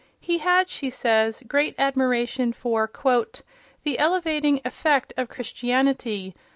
He had, she says, great admiration for "the elevating effect of Christianity